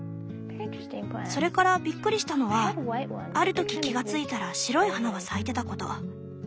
それからびっくりしたのはある時気が付いたら白い花が咲いてたこと。